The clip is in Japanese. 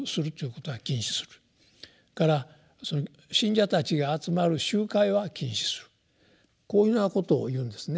それから信者たちが集まる集会は禁止するこういうようなことを言うんですね。